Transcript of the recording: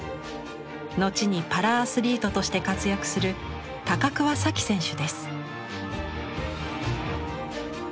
後にパラアスリートとして活躍する高桑早生選手です。